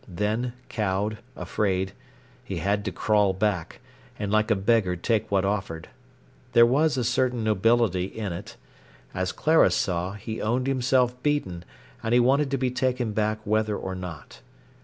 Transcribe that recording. Then, cowed, afraid, he had to crawl back, and like a beggar take what offered. There was a certain nobility in it. As Clara saw, he owned himself beaten, and he wanted to be taken back whether or not.